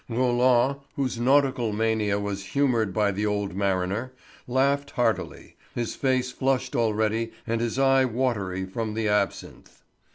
Roland, whose nautical mania was humoured by the old mariner, laughed heartily, his face flushed already and his eye watery from the absinthe.